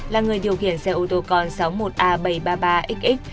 là người điều khiển xe ô tô con sáu mươi một a bảy trăm ba mươi ba xx